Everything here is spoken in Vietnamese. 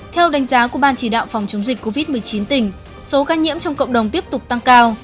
theo đánh giá của ban chỉ đạo phòng chống dịch covid một mươi chín tỉnh số ca nhiễm trong cộng đồng tiếp tục tăng cao